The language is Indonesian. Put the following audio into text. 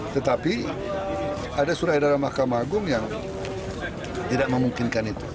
tetapi ada surat edaran mahkamah agung yang tidak memungkinkan itu